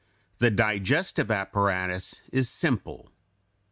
200); the digestive apparatus is simple.